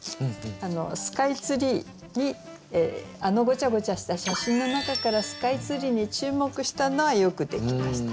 スカイツリーにあのごちゃごちゃした写真の中からスカイツリーに注目したのはよくできました。